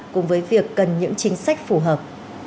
cùng với việc cần những chính sách phù hợp